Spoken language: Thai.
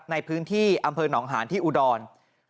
ในพื้นที่อำเภอหนองหานที่อุดร